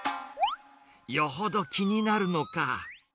よほど気になるのか。